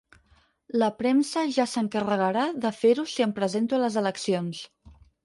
La premsa ja s'encarregarà de fer-ho si em presento a les eleccions.